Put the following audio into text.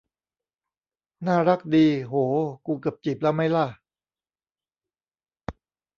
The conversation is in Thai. น่ารักดี โห กูเกือบจีบแล้วมั๊ยล่ะ